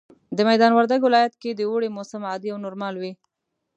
د ميدان وردګ ولايت کي د اوړي موسم عادي او نورمال وي